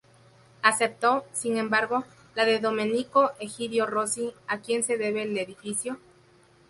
Aceptó, sin embargo, la de Domenico Egidio Rossi, a quien se debe el edificio.